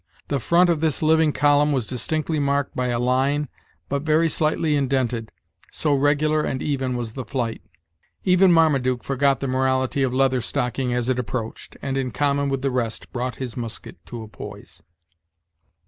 The front of this living column was distinctly marked by a line but very slightly indented, so regular and even was the flight. Even Marmaduke forgot the morality of Leather Stocking as it approached, and, in common with the rest, brought his musket to a poise.